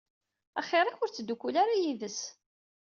Axir-ak ur ttdukkul ara yid-s.